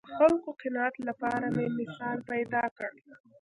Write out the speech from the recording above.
د خلکو قناعت لپاره مې مثال پیدا کړ